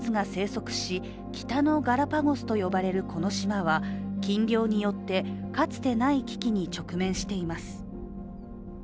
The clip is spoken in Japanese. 多様な野生動物が生息し北のガラパゴスと呼ばれるこの島は禁漁によって、かつてない危機に直面しています。